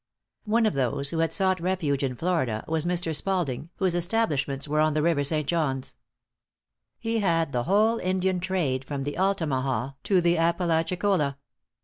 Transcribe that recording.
One of those who had sought refuge in Florida, was Mr. Spalding, whose establishments were on the river St. John's. He had the whole Indian trade from the Altamaha to the Apalachicola.